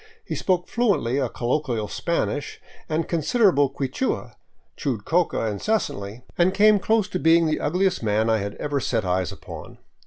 He spoke fluently a colloquial Spanish and considerable Quichua, chewed coca incessantly, and came close to 519 VAGABONDING DOWN THE ANDES being the ugliest man I had ever set eyes upon.